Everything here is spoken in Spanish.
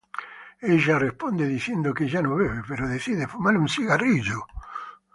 Ella responde diciendo que ya no bebe, pero decide fumar un cigarrillo.